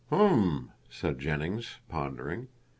"Hum!" said Jennings, pondering.